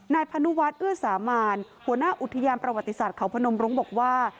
พนุวัฒน์เอื้อสามานหัวหน้าอุทยานประวัติศาสตร์เขาพนมรุ้งบอกว่า